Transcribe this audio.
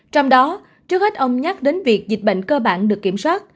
trong đó trước hết ông nhắc đến việc dịch bệnh cơ bản được kiểm soát